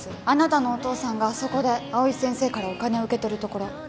あなたのお父さんがあそこで蒼井先生からお金を受け取るところ。